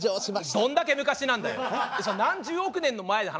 どんだけ昔なんだよ！